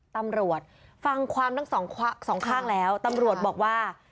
ตำรวจฟังความทั้งสองข้างแล้วตำรวจบอกว่า